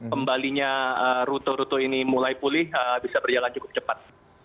kembalinya rute rute ini mulai pulih bisa berjalan cukup cepat